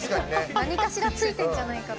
何かしらついてるんじゃないかと。